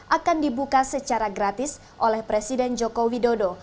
akan dibuka secara gratis oleh presiden joko widodo